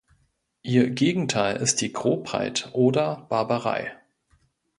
Ihr Gegenteil ist die Grobheit oder Barbarei.